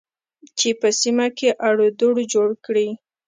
چې په سیمه کې اړو دوړ جوړ کړي